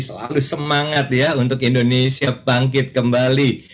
selalu semangat ya untuk indonesia bangkit kembali